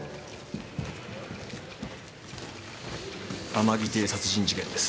天城邸殺人事件です。